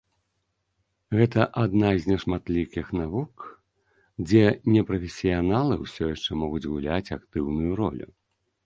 Гэта адна з нешматлікіх навук, дзе непрафесіяналы ўсё яшчэ могуць гуляць актыўную ролю.